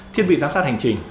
thiết bị giám sát hành trình